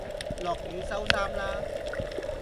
落雨收衫啦